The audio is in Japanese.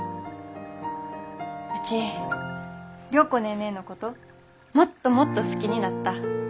うち良子ネーネーのこともっともっと好きになった。